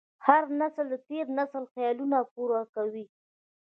هر نسل د تېر نسل خیالونه پوره کوي.